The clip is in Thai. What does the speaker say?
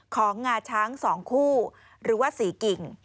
ของงาช้างสองคู่หรือว่าสีกิ่ง